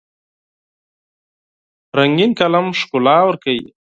رنګین قلم ښکلا ورکوي.